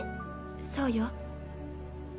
そうよ。